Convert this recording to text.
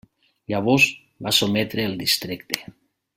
Llavors va sotmetre el districte.